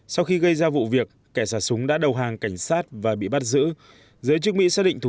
sau khi gây ra vụ việc kẻ xả súng đã đầu hàng cảnh sát và bị bắt giữ giới chức mỹ xác định thủ